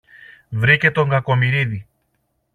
Βρήκε τον Κακομοιρίδη